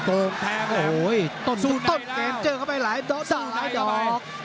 โอ้โหต้นเกมเจอเข้าไปหลายดอกด้าหลายดอก